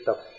thơ nông tài